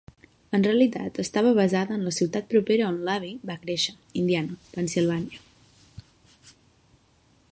En realitat estava basada en la ciutat propera on l'Abbey va créixer, Indiana, Pennsylvania.